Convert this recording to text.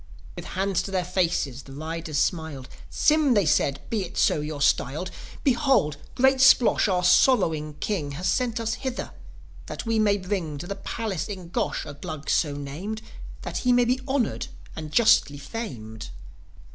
With hands to their faces the riders smiled. "Sym," they said "be it so you're styled Behold, great Splosh, our sorrowing King, Has sent us hither, that we may bring To the palace in Gosh a Glug so named, That he may be honoured and justly famed."